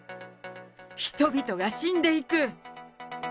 人々が死んでいく。